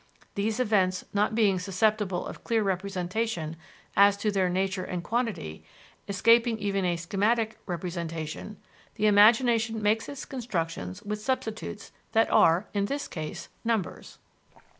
These events not being susceptible of clear representation as to their nature and quantity, escaping even a schematic representation, the imagination makes its constructions with substitutes that are, in this case, numbers.